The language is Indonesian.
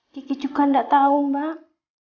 kiki juga tidak tahu mbak